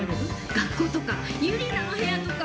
学校とかユリナの部屋とか。